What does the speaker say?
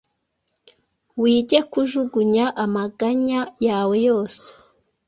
Wige kujugunya amaganya yawe yose,